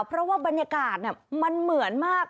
เพราะว่าบรรยากาศมันเหมือนมาก